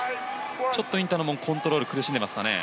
ちょっとインタノンもコントロール苦しんでますかね。